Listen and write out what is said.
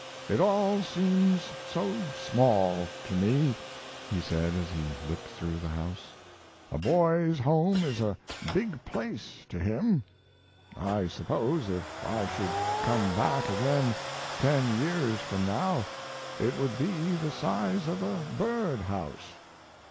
"It all seems so small to me," he said, as he looked through the house; "a boy's home is a big place to him. I suppose if I should come back again ten years from now it would be the size of a birdhouse."